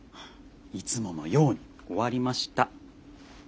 いつものように終わりました。